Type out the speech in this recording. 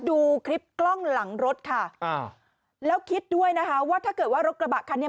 ดูคลิปกล้องหลังรถค่ะอ่าแล้วคิดด้วยนะคะว่าถ้าเกิดว่ารถกระบะคันนี้